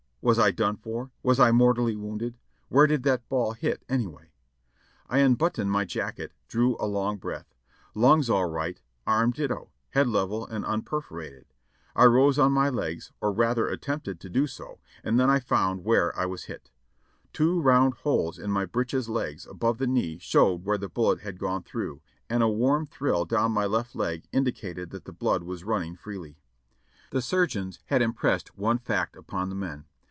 Was I done for? Was I mortally wounded? Where did that ball hit, anyway? I unbuttoned my jacket, drew a long breath. Lungs all right, arm ditto, head level and unper forated. I rose on my legs, or rather attempted to do so, and then I found wdiere I was hit. Two round holes in my breeches legs above the knee showed where the bullet had gone through, and a warm thrill down my left leg indicated that the blood was running freely. The surgeons had impressed one fact upon the men.